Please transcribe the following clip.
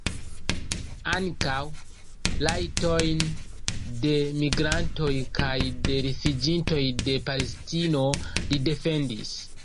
Ankaŭ rajtojn de migrantoj kaj de rifuĝintoj de Palestino li defendis.